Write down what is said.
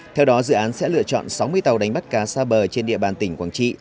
theo đó dự án sẽ lựa chọn sáu mươi tàu đánh bắt cá xa bờ trên địa bàn tỉnh quảng trị